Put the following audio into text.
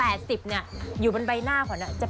และนั่นล่ะค่ะอาจจะเป็นเทคนิคเล็กน้อยนะครับ